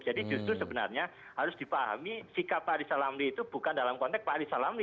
jadi justru sebenarnya harus dipahami sikap pak arissa lamli itu bukan dalam konteks pak arissa lamli